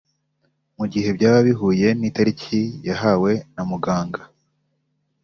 mu gihe byaba bihuye n’itariki yahawe na muganga